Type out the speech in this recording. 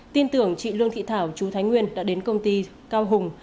tin tưởng chị lương thị thảo chú thái nguyên đã đến công ty cao hùng